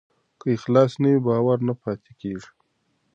که اخلاص نه وي، باور نه پاتې کېږي.